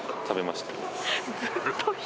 食べました。